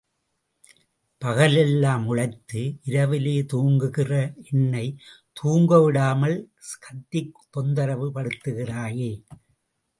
பகலெல்லாம் உழைத்து இரவிலே தூங்குகிற என்னைத் தூங்கவிடாமல் கத்தித் தொந்தரவு படுத்துகிறாயே!